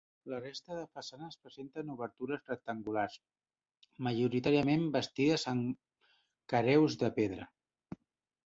La resta de façanes presenten obertures rectangulars, majoritàriament bastides amb carreus de pedra.